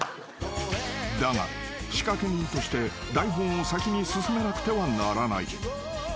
［だが仕掛け人として台本を先に進めなくてはならない］